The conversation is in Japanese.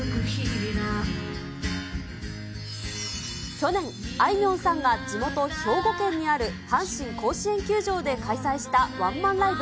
去年、あいみょんさんが地元、兵庫県にある、阪神甲子園球場で開催したワンマンライブ。